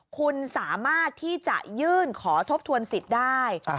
คุณสามารถที่จะยื่นขอทบทวนสิทธิ์ได้